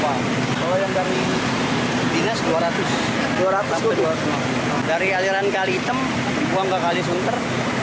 antisipasi bau di wisma atlet jadi rekayasa air dibuang ke kali sunter